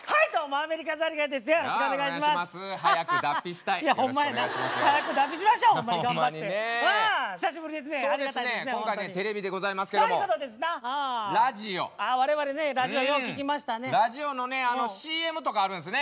ラジオのねＣＭとかあるんすね。